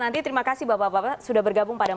nanti terima kasih bapak bapak sudah bergabung pada